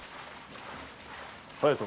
隼人。